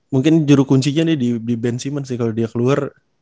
mungkin juru kuncinya nih di ben simmons sih kalau dia keluar